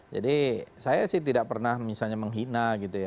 jadi saya sih tidak pernah misalnya menghina gitu ya